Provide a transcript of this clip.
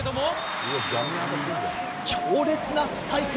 強烈なスパイク。